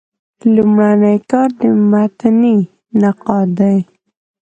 لومړنی کار د متني نقاد دﺉ.